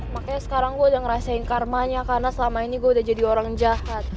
makanya sekarang gue udah ngerasain karmanya karena selama ini gue udah jadi orang jahat